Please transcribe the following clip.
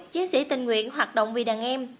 chiến sĩ tình nguyện hoạt động vì đàn em